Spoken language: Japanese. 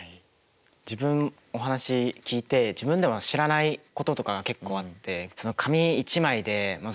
自分お話聞いて自分でも知らないこととかが結構あって。